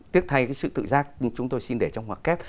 tiếc thay cái sự tự giác chúng tôi xin để trong hoạt kép